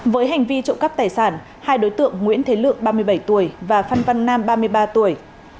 với hành vi trộm cắp tài sản hai đối tượng nguyễn thế lượng ba mươi bảy tuổi và phan văn nam ba mươi ba tuổi